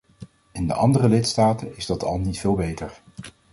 In de andere lidstaten is dat al niet veel beter.